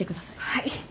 はい。